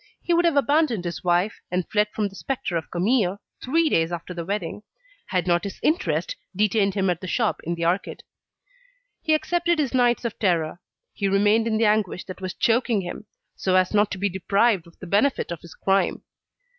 He would have abandoned his wife, and fled from the spectre of Camille, three days after the wedding, had not his interest detained him at the shop in the arcade. He accepted his nights of terror, he remained in the anguish that was choking him, so as not to be deprived of the benefit of his crime.